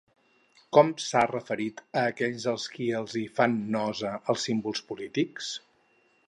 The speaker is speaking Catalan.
Com s'ha referit a aquells als qui els hi fan nosa els símbols polítics?